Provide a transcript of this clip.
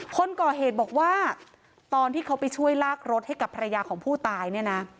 คนก่อเหตุบอกว่าตอนที่เขาไปช่วยลากรถให้กับภรรยาของผู้ตายเนี่ยนะ